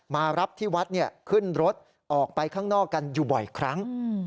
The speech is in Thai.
มารับที่วัดขึ้นรถออกไปข้างนอกกันอยู่บ่อยครั้ง